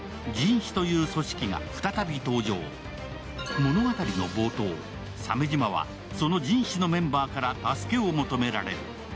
物語の冒頭、鮫島はその金石のメンバーから助けを求められる。